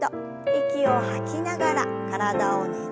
息を吐きながら体をねじって。